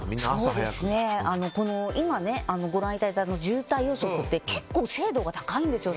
今、ご覧いただいた渋滞予測って結構、精度が高いんですよ。